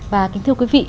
và kính thưa quý vị